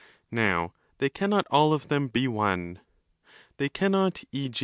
Now they cannot all of them be oze—they cannot, e.